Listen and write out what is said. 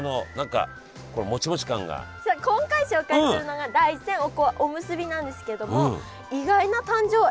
さあ今回紹介するのが大山おこわおむすびなんですけどもえっ！？